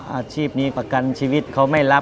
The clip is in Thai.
อาชีพนี้ประกันชีวิตเขาไม่รับ